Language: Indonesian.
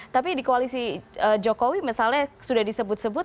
tapi di koalisi jokowi misalnya sudah disebut sebut